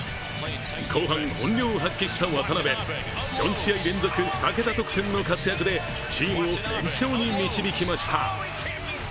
後半、本領を発揮した渡邊４試合連続２桁得点の活躍でチームを連勝に導きました。